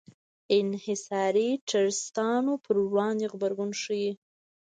انحصاري ټرستانو پر وړاندې غبرګون ښيي.